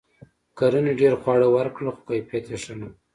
کرنې ډیر خواړه ورکړل؛ خو کیفیت یې ښه نه و.